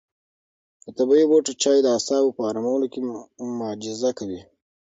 د طبیعي بوټو چای د اعصابو په ارامولو کې معجزه کوي.